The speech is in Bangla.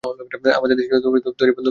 আমাদের দেশের তৈরি বন্দুক, স্যার।